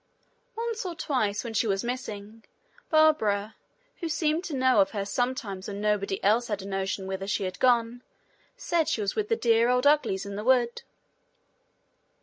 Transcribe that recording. Once or twice when she was missing, Barbara, who seemed to know of her sometimes when nobody else had a notion whither she had gone, said she was with the dear old Uglies in the wood.